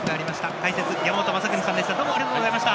解説、山本昌邦さんでした。